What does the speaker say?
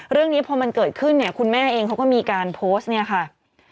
เรื่องนี้พอมันเกิดขึ้นเนี่ยคุณแม่เองเขาก็มีการโพสต์เนี่ยค่ะ